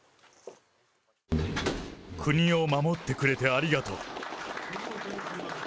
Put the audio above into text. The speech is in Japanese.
国を守ってくれてありがとう。